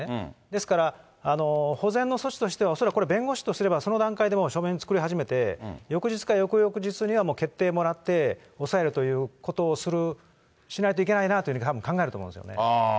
ですから、保全の措置としては恐らくこれ、弁護士とすればその段階で書面作り始めて、翌日か翌々日にはもう決定もらって、押さえるということをする、しないといけないなというふうに考えると思うんですよね。